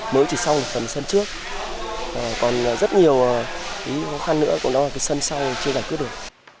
mới chỉ xong phần sân trước còn rất nhiều khó khăn nữa cũng đó là cái sân sau chưa giải quyết được